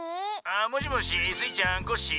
「もしもしスイちゃんコッシー。